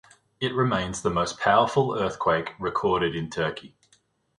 It remains the most powerful earthquake recorded in Turkey.